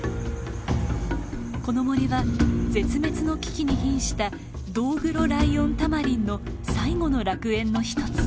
この森は絶滅の危機にひんしたドウグロライオンタマリンの最後の楽園のひとつ。